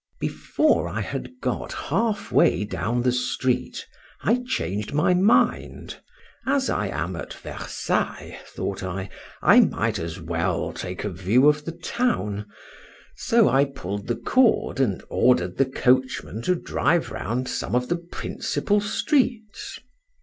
BEFORE I had got half way down the street I changed my mind: as I am at Versailles, thought I, I might as well take a view of the town; so I pull'd the cord, and ordered the coachman to drive round some of the principal streets.